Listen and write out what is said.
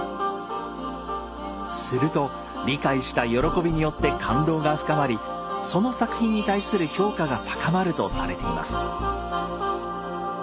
すると理解した喜びによって感動が深まりその作品に対する評価が高まるとされています。